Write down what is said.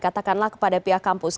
katakanlah kepada pihak kampus